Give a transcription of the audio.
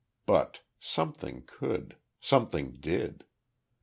But something could something did.